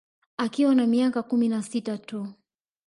Akiwa na miaka kumi na sita tu